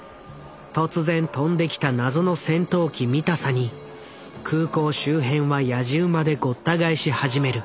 突然飛んできた謎の戦闘機見たさに空港周辺はやじ馬でごった返し始める。